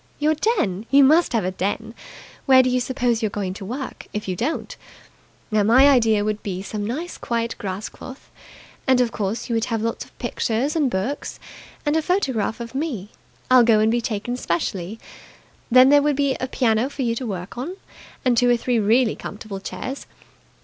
"Your den. You must have a den. Where do you suppose you're going to work, if you don't? Now, my idea would be some nice quiet grass cloth. And, of course, you would have lots of pictures and books. And a photograph of me. I'll go and be taken specially. Then there would be a piano for you to work on, and two or three really comfortable chairs.